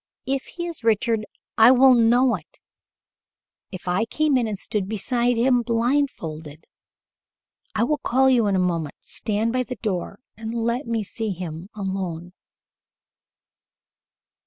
If he is Richard, I would know it if I came in and stood beside him blindfolded. I will call you in a moment. Stand by the door, and let me see him alone."